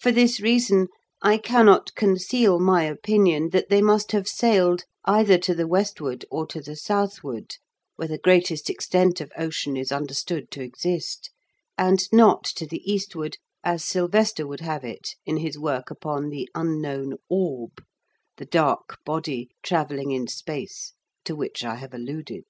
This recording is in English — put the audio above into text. For this reason I cannot conceal my opinion that they must have sailed either to the westward or to the southward where the greatest extent of ocean is understood to exist, and not to the eastward as Silvester would have it in his work upon the "Unknown Orb", the dark body travelling in space to which I have alluded.